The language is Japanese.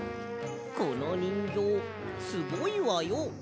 このにんぎょうすごいわよ。